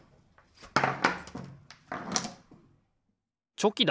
チョキだ！